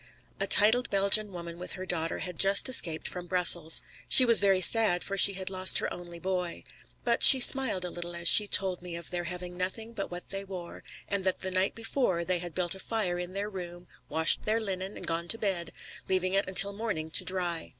A titled Belgian woman with her daughter had just escaped from Brussels. She was very sad, for she had lost her only boy. But she smiled a little as she told me of their having nothing but what they wore, and that the night before they had built a fire in their room, washed their linen, and gone to bed, leaving it until morning to dry.